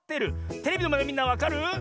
テレビのまえのみんなわかる？